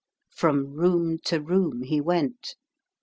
From room to room he went.